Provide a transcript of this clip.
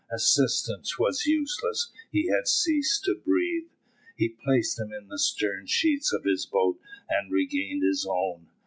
Assistance was useless, he had ceased to breathe. He placed him in the stern sheets of his boat and regained his own.